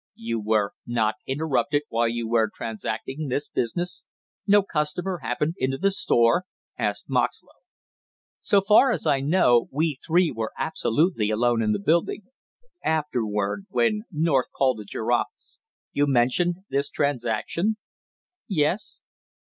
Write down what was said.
"You were not interrupted while you were transacting this business, no customer happened into the store?" asked Moxlow. "So far as I know, we three were absolutely alone in the building." "Afterward, when North called at your office, you mentioned this transaction?" "Yes."